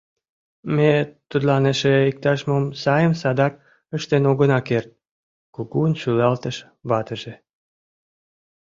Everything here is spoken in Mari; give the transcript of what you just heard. —...ме тудлан эше иктаж-мом сайым садак ыштен огына керт, — кугун шӱлалтыш ватыже.